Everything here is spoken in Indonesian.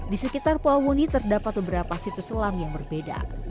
di sekitar pulau wundi terdapat beberapa situs selam yang berbeda